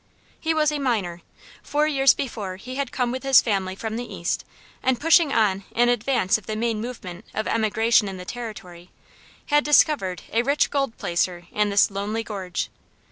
He was a miner. Four years before he had come with his family from the East, and pushing on in advance of the main movement of emigration in the territory, had discovered a rich gold placer in this lonely gorge.